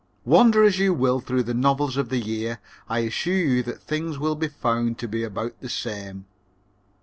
Wander as you will through the novels of the year, I assure you that things will be found to be about the same.